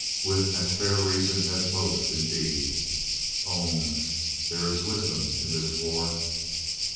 With as fair reason as most, indeed. ... Oons, there is wisdom in this war.